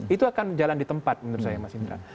itu akan jalan di tempat menurut saya mas indra